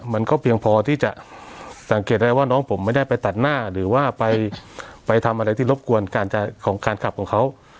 มันก็เพียงพอที่จะสังเกตได้ว่าน้องผมไม่ได้ไปตัดหน้าหรือว่าไปทำอะไรที่รบกวนการของการขับของเขา